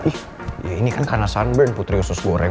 ih ya ini kan karena sunburn putri usus goreng